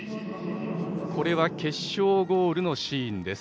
これは決勝ゴールのシーンです。